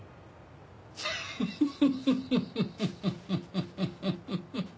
フフフフッ！